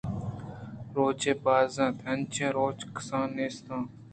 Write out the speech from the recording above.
روچے باز اَنت ءُانچیں روچاں کس نیست اِنت